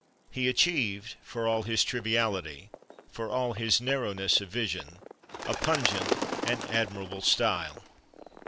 He achieved, for all his triviality, for all his narrowness of vision, a pungent and admirable style.